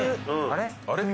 あれ？